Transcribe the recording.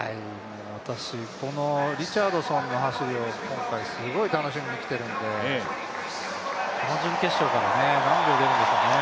私、このリチャードソンの走りを今回すごい楽しみに来ているのでこの準決勝から何秒出るんでしょうね。